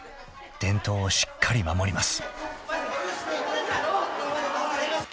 伝統をしっかり守ります］